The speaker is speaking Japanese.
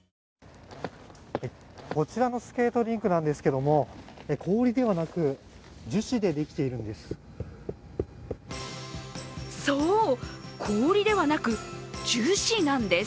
こちらのスケートリンクなんですけども、氷ではなく樹脂でできているんです。